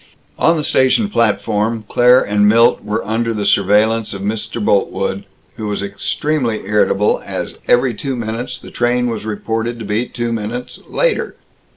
On the station platform, Claire and Milt were under the surveillance of Mr. Boltwood, who was extremely irritable as every two minutes the train was reported to be two minutes later.